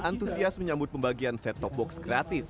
antusias menyambut pembagian set top box gratis